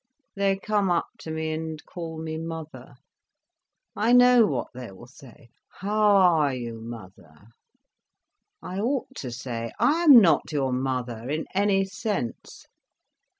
They come up to me and call me mother. I know what they will say—'how are you, mother?' I ought to say, 'I am not your mother, in any sense.